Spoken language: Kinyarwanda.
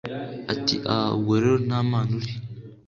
Ati Ah ubwo rero nta mana uri